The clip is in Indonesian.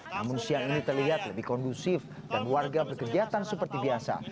namun siang ini terlihat lebih kondusif dan warga berkegiatan seperti biasa